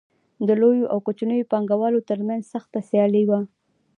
د لویو او کوچنیو پانګوالو ترمنځ سخته سیالي وه